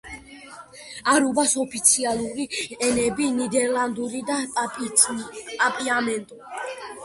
არუბას ოფიციალური ენებია ნიდერლანდური და პაპიამენტო.